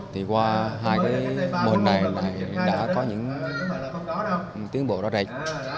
thì qua hai cái mô hình này lại đã có những tiến bộ ra rạch